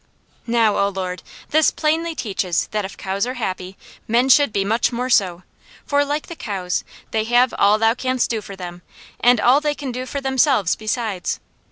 "Now, O Lord, this plainly teaches that if cows are happy, men should be much more so, for like the cows, they have all Thou canst do for them, and all they can do for themselves, besides.